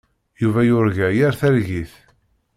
Yuba yurga yir targit.